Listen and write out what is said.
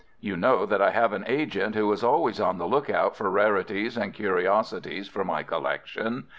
You know that I have an agent who is always on the lookout for rarities and curiosities for my collection.